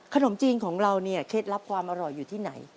ขนมจีนของเราเนี่ยเคล็ดลับความอร่อยอยู่ที่ไหน